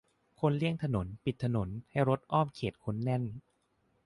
คนเลี่ยงรถ ปิดถนน-ให้รถอ้อมเขตคนแน่น